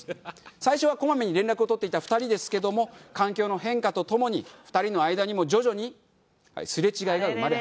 最初はこまめに連絡を取っていた２人ですけども環境の変化とともに２人の間にも徐々にすれ違いが生まれ始めます。